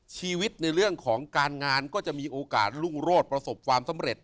ชีวิตในเรื่องของการงานก็จะมีโอกาสรุ่งโรดประสบความสำเร็จ